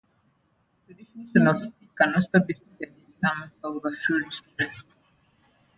The definition of "P" can also be stated in terms of the field trace.